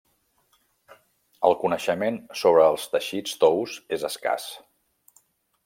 El coneixement sobre els teixits tous és escàs.